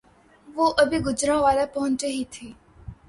وہ ابھی گوجرانوالہ پہنچے ہی تھے